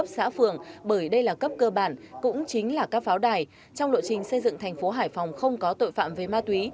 trong lộ trình xây dựng thành phố hải phòng không có tội phạm về ma túy